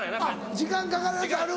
時間かかるやつある。